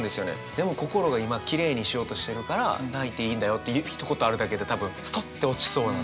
でも心が今きれいにしようとしてるから泣いていいんだよっていうひと言あるだけで多分ストンって落ちそうなので。